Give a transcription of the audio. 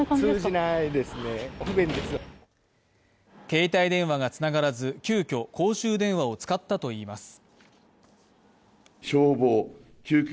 携帯電話がつながらず、急きょ公衆電話を使ったといいます。